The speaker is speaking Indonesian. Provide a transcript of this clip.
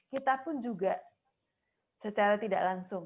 kita pun juga secara tidak langsung